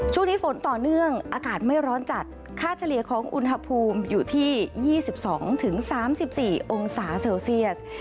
ช่วงนี้ฝนต่อเนื่องอากาศไม่ร้อนจัดค่าเฉลี่ยของอุณหภูมิอยู่ที่๒๒๓๔องศาเซลเซียส